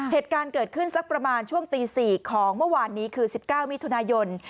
เหตุการณ์เกิดขึ้นสักประมาณช่วงตี๔ของเมื่อวานนี้คือ๑๙มิถุนายน